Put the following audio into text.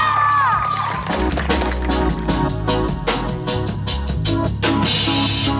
มอร์แกร่ว